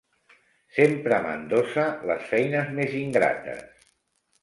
Sempre m'endossa les feines més ingrates!